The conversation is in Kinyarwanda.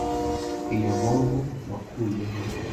Iyo nkovu wakuye he?